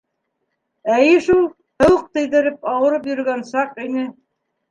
Эйе шул, һыуыҡ тейҙереп, ауырып йөрөгән саҡ ине.